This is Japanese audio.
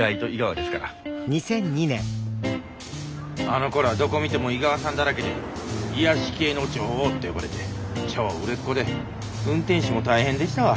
あのころはどこ見ても井川さんだらけで癒やし系の女王って呼ばれて超売れっ子で運転手も大変でしたわ。